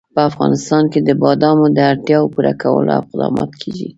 په افغانستان کې د بادامو د اړتیاوو پوره کولو اقدامات کېږي.